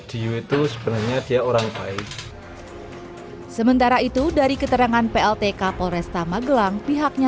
diu itu sebenarnya dia orang baik sementara itu dari keterangan pltk polresta magelang pihaknya